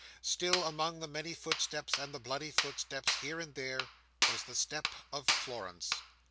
Still, among the many footsteps and the bloody footsteps here and there, was the step of Florence.